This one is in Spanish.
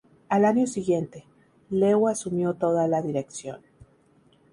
Al año siguiente, Lew asumió todo la dirección.